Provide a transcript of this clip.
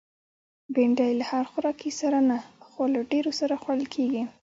بېنډۍ له هر خوراکي سره نه، خو له ډېرو سره خوړل کېږي